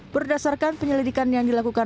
berdasarkan penyelidikan yang dilakukan